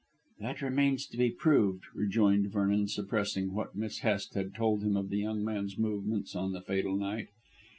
"That remains to be proved," rejoined Vernon, suppressing what Miss Hest had told him of the young man's movements on the fatal night.